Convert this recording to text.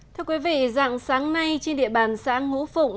thưa quý vị dạng sáng nay trên địa bàn xã ngũ phụng